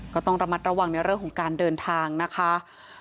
ก็ต้องระมัดระวังในเรื่องของการเดินทางนะคะ